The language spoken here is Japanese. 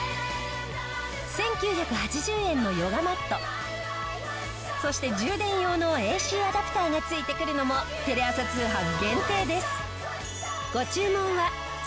１９８０円のヨガマットそして充電用のＡＣアダプターが付いてくるのもテレ朝通販限定です。